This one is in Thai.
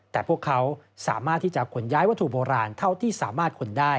แต่พวกเขาสามารถที่จะขนย้ายวัตถุโบราณ